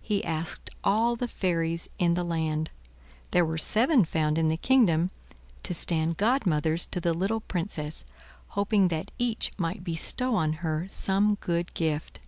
He asked all the fairies in the land—there were seven found in the kingdom—to stand godmothers to the little Princess; hoping that each might bestow on her some good gift.